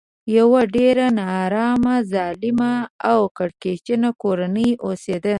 یوه ډېره نارامه ظالمه او کرکجنه کورنۍ اوسېده.